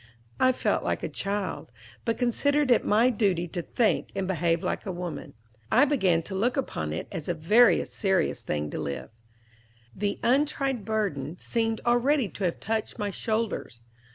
I felt like a child, but considered it my duty to think and behave like a woman. I began to look upon it as a very serious thing to live. The untried burden seemed already to have touched my shoulders.